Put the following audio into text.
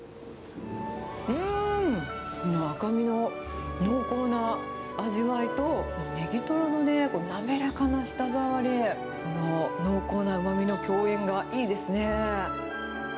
うーん、この赤身の濃厚な味わいと、ネギトロのね、この滑らかな舌触り、この濃厚なうまみの共演がいいですね。